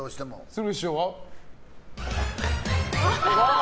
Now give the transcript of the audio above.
鶴瓶師匠は？